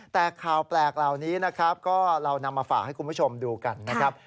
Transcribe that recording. แต่ข่าวแปลกเหล่านี้นะครับก็เรานำมาฝากให้คุณผู้ชมดูกันนะครับ